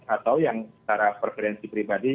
atau yang secara preferensi pribadi